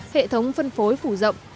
hệ thống phân phối phủ rộng